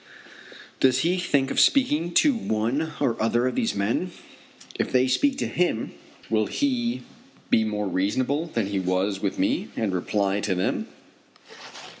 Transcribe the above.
Does he think of speaking to one or other of these men, and if they speak to him will he be more reasonable than he was with me, and reply to them?